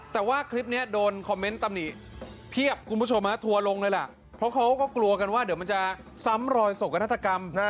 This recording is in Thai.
แต่ว่าคลิปนี้โดนคอมเมนต์ตำหนิเพียบคุณผู้ชมฮะทัวร์ลงเลยล่ะเพราะเขาก็กลัวกันว่าเดี๋ยวมันจะซ้ำรอยสกนาฏกรรมนะฮะ